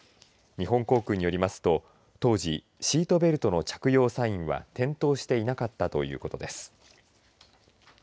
日本航空によりますと当時シートベルトの着用サインは点灯していなかったということです。